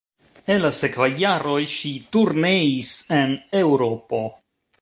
En la sekvaj jaroj ŝi turneis en Eŭropo.